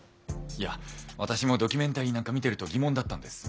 いや私もドキュメンタリーなんか見てると疑問だったんです。